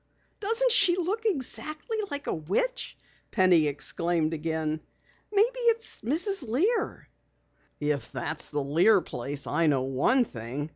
"Doesn't she look exactly like a witch!" Penny exclaimed again. "Maybe it's Mrs. Lear." "If that's the Lear place I know one thing!"